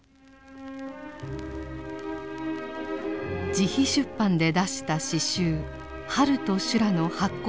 自費出版で出した詩集「春と修羅」の発行部数は一千部。